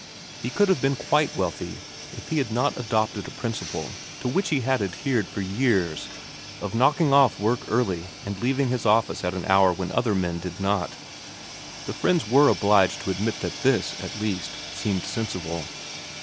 He could have been quite wealthy if he had not adopted a principle to which he had adhered for years of knocking off work early and leaving his office at an hour when other men did not, the friends were obliged to admit that this, at least, seemed sensible.